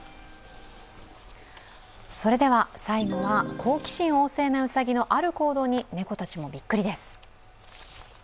最後は好奇心旺盛なうさぎのある行動に猫たちもビックリです。